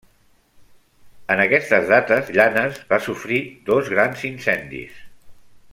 En aquestes dates Llanes, va sofrir dos grans incendis.